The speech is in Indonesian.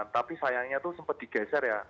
tapi sayangnya itu sempat digeser ya